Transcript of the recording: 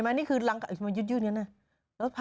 ผ่าตัดเก่งใจเปล้ง